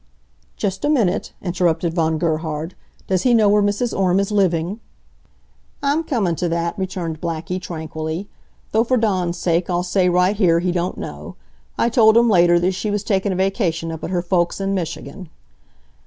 "Just a minute," interrupted Von Gerhard. "Does he know where Mrs. Orme is living?" "I'm coming t' that," returned Blackie, tranquilly. "Though for Dawn's sake I'll say right here he don't know. I told him later, that she was takin' a vacation up at her folks' in Michigan."